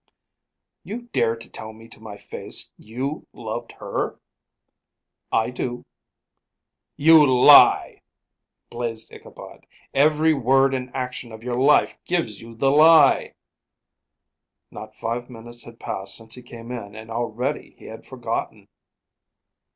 "You dare tell me to my face you loved her?" "I do." "You lie!" blazed Ichabod. "Every word and action of your life gives you the lie!" Not five minutes had passed since he came in and already he had forgotten!